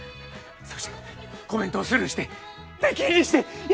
そしてコメントをスルーして出禁にしてい今